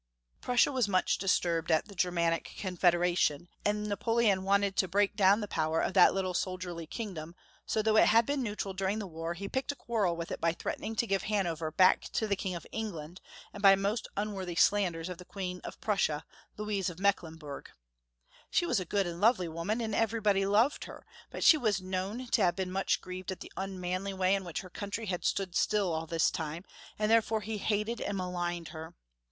Prussia was much disturbed at the Germanic Confederation, and Napoleon wanted to break 440 Young Folks* History of Germany. down the power of that little soldierly kingdom, so though it had been neutral during the war, he picked a quarrel with it by threathening to give Hanover back to the King of England, and by most unworthy slanders of the Queen of Prussia, Louise of Mecklenburg. She was a good and lovely woman, and everybody loved her, but she was known to have been much grieved at the un manly way in which her country had stood still all this time, and therefore he hated and maligned her.